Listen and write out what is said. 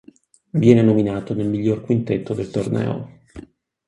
Viene nominato nel miglior quintetto del torneo.